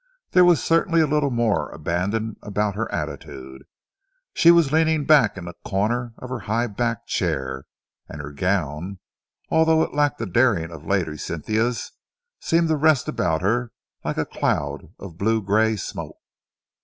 There was certainly a little more abandon about her attitude. She was leaning back in a corner of her high backed chair, and her gown, although it lacked the daring of Lady Cynthia's, seemed to rest about her like a cloud of blue grey smoke.